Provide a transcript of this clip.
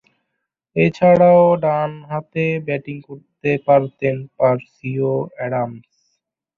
এছাড়াও, ডানহাতে ব্যাটিং করতেন পার্সি অ্যাডামস।